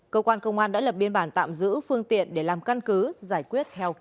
công an đã lập biên bản tạm giữ